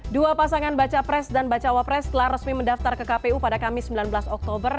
dua pasangan baca pres dan bacawa pres telah resmi mendaftar ke kpu pada kamis sembilan belas oktober